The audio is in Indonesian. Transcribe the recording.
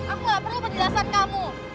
aku gak perlu penjelasan kamu